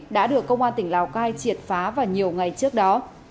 đã được công an tỉnh lào cai triệt phá vào nhiều ngày trước đó